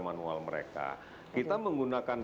manual mereka kita menggunakan